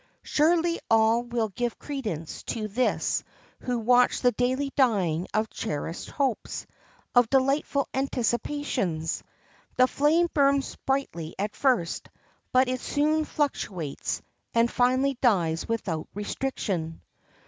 Surely all will give credence to this who watch the daily dying of cherished hopes, of delightful anticipations. The flame burns brightly at first, but it soon fluctuates, and finally dies without restriction.